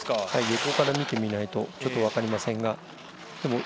横から見てみないとちょっと分かりませんがで